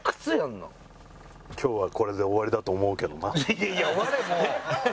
いやいや終われ！